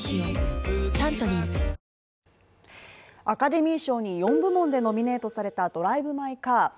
アカデミー賞に４部門でノミネートされた「ドライブ・マイ・カー」